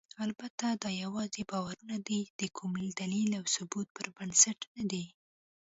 البته دا یواځې باورونه دي، د کوم دلیل او ثبوت پر بنسټ نه دي.